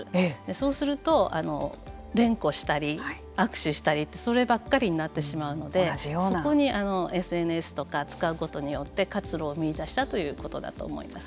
そうすると連呼したり握手したりってそればっかりになってしまうのでそこにＳＮＳとかを使うことによって活路を見出したということだと思います。